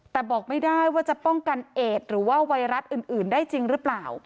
แต่บอกไม่ได้ว่าจะป้องกันเอดหรือว่าไวรัสอื่นได้จริงหรือเปล่า